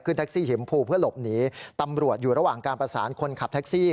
แท็กซี่หิมภูเพื่อหลบหนีตำรวจอยู่ระหว่างการประสานคนขับแท็กซี่